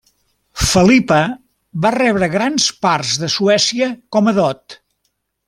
Felipa va rebre grans parts de Suècia com a dot.